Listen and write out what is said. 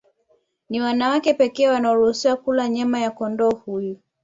Ni wanawake pekee wanaoruhusiwa kula nyama ya kondoo huyu